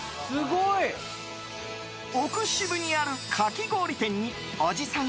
奥渋にあるかき氷店におじさん